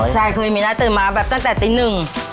ใช่ก็ยังมีนางตื่นมาตั้งแต่ตีนึง